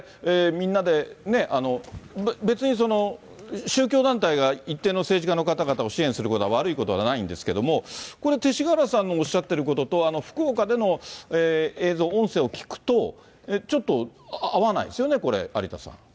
みんなでね、別に宗教団体が一定の政治家の方々を支援することは悪いことではないんですけれども、これ、勅使河原さんのおっしゃってることと、福岡での映像、音声を聞くと、ちょっと合わないですよね、これ、有田さん。